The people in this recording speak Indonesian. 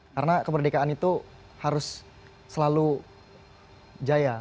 karena kemerdekaan itu harus selalu jaya